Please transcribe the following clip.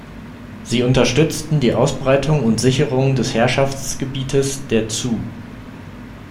Sie unterstützen die Ausbreitung und Sicherung des Herrschaftsgebietes der Zhou.